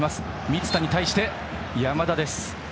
満田に対して山田です。